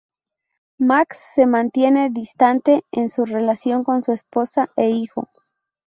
Max se mantiene distante en su relación con su esposa e hijo.